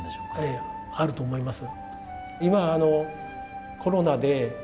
ええあると思います。